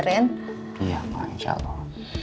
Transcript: ren iya mak insya allah